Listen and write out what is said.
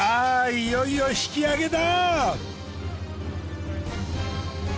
いよいよ引き上げだ！